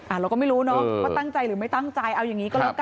เราก็ไม่รู้เนอะว่าตั้งใจหรือไม่ตั้งใจเอาอย่างนี้ก็แล้วกัน